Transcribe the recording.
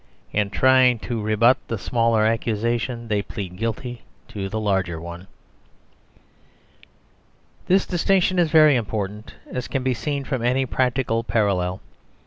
In trying to rebut the smaller accusation, they plead guilty to the larger one. This distinction is very important, as can be seen from any practical parallel.